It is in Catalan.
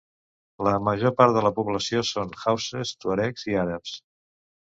La major part de la població són hausses, tuaregs i àrabs.